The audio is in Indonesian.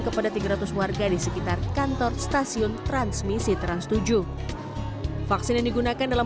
kepada tiga ratus warga di sekitar kantor stasiun transmisi trans tujuh vaksin yang digunakan dalam